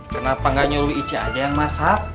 kenapa gak nyuruh icu aja yang masak